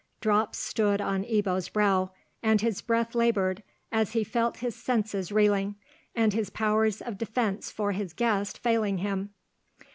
Drops stood on Ebbo's brow, and his breath laboured as he felt his senses reeling, and his powers of defence for his guest failing him.